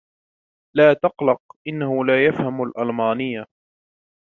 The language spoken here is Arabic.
لا تقلق. إنهُ لا يفهم الألمانية.